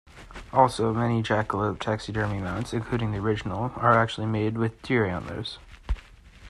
Also, many jackalope taxidermy mounts, including the original, are actually made with deer antlers.